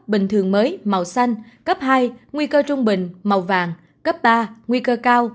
bình thường mới màu xanh cấp hai nguy cơ trung bình màu vàng cấp ba nguy cơ cao